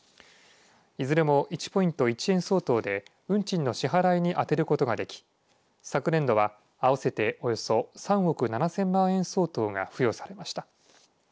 いずれも１ポイント１円相当で運賃の支払いに充てることができ昨年度は合わせておよそ３億７０００万円相当が付与されました。